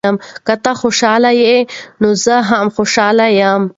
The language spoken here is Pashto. که ته خوشحاله یې، نو زه هم خوشحاله یم.